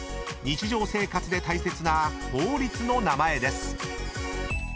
［日常生活で大切な法律の名前です］